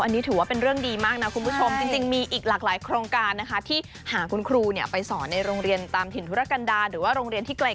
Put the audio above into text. อันนี้ถือว่าเป็นเรื่องดีมากนะคุณผู้ชมจริงมีอีกหลากหลายโครงการนะคะที่หาคุณครูไปสอนในโรงเรียนตามถิ่นธุรกันดาหรือว่าโรงเรียนที่ไกล